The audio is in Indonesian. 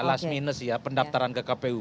last minus ya pendaftaran ke kpu